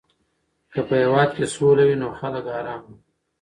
که په هېواد کې سوله وي نو خلک آرامه وي.